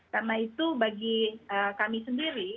karena itu bagi kami sendiri